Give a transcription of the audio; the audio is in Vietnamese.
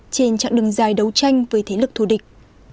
trên chặng đường dài đấu tranh với thế lực thù địch